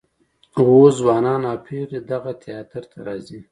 اوس ځوانان او پیغلې دغه تیاتر ته راځي.